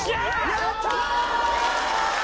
やった！